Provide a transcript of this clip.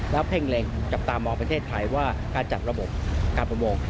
แล้วเพ่งเล็งจับตามองประเทศไทยว่าการจัดระบบการประมง